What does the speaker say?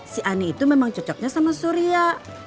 si ani itu memang cocoknya sama surya